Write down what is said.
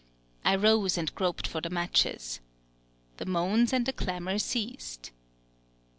I rose, and groped for the matches. The moans and the clamor ceased.